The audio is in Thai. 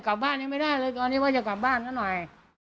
กลับบ้านยังไม่ได้เลยตอนนี้ว่าจะกลับบ้านซะหน่อย